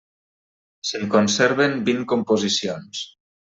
Se'n conserven vint composicions.